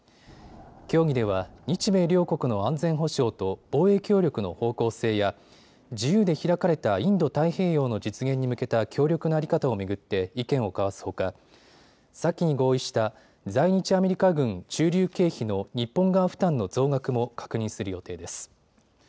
協議では日米両国の安全保障と防衛協力の方向性や自由で開かれたインド太平洋の実現に向けた協力の在り方を巡って意見を交わすほか先に合意した在日アメリカ軍駐留経費の日本側負担の増額も確認する予定です。